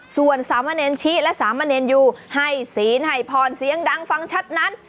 ส่วนสามเมินที่และสามเมินยูให้ศีลให้พรเสียงดังฟังชัดนัด